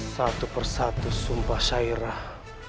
satu persatu sumpah syairah